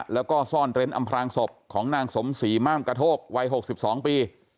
แล้วก็ซ่อนเร้นอำพลางศพของนางสมศรีม่ามกระโทกวัย๖๒ปี